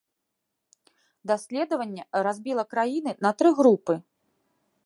Даследаванне разбіла краіны на тры групы.